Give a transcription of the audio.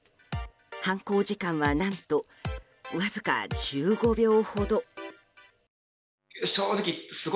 犯行時間は何とわずか１５秒ほど。